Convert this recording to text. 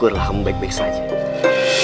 jangan lupa untuk berusaha yang penting